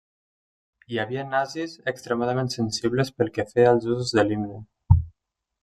Hi havia nazis extremadament sensibles pel que feia als usos de l'himne.